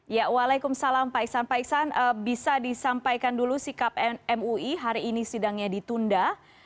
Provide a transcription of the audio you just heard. ya waalaikumsalam pak iksan pak iksan bisa disampaikan dulu sikap mui hari ini sidangnya ditunda